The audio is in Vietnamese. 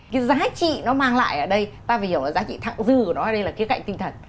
cái giá trị nó mang lại ở đây ta phải hiểu là giá trị thẳng dư của nó đây là cái cạnh tinh thần